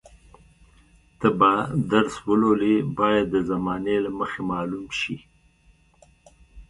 ته به درس ولولې باید د زمانې له مخې معلوم شي.